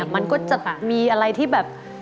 มันก็จะมีอะไรที่แบบ